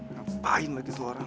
ngapain lah itu orang